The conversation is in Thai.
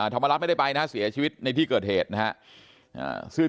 ธรรมรัฐไม่ได้ไปนะฮะเสียชีวิตในที่เกิดเหตุนะครับ